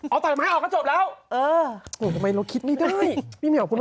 เอาเป้าหมายท์ออกกระจบแล้วเออเหงื่อไม่ไม่รู้คิดนี่ได้นี่ไม่อัพพ่อมหรอ